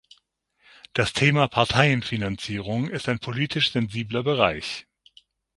Das Thema Parteienfinanzierung ist ein politisch sensibler Bereich.